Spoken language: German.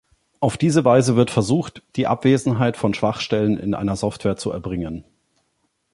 Auf diese Weise wird versucht, die Abwesenheit von Schwachstellen in einer Software zu erbringen.